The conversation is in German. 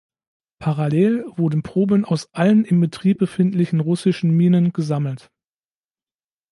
Parallel wurden Proben aus allen im Betrieb befindlichen russischen Minen gesammelt.